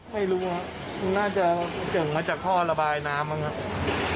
ไม่รู้อ่ะนี่น่าจะเจริงมาจากท่อระบายน้ำอ่ะครับ